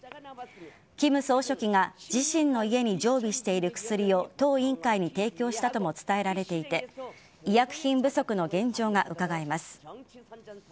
金総書記が自身の家に常備している薬を党委員会に提供したとも伝えられていて医薬品不足の現状がうかがえます。